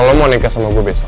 lo mau nikah sama gue besok